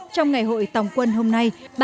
trong ngày hội tổng quân hôm nay